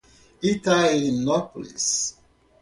Itainópolis